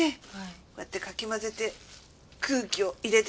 こうやってかき混ぜて空気を入れてやらないとね。